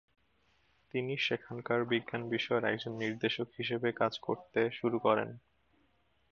তিনি সেখানকার বিজ্ঞান বিষয়ের একজন নির্দেশক হিসেবে কাজ করতে শুরু করেন।